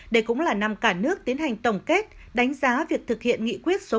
đây cũng là năm cả nước tiến hành tổng kết đánh giá việc thực hiện nghị quyết số một trăm linh hai nghìn một mươi năm